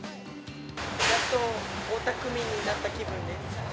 やっと大田区民になった気分です。